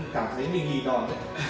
cảm thấy mình hì đòn